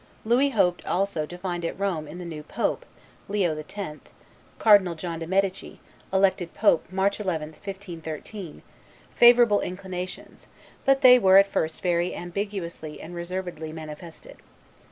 Louis hoped also to find at Rome in the new pope, Leo X. [Cardinal John de' Medici, elected pope March 11, 1513], favorable inclinations; but they were at first very ambiguously and reservedly manifested.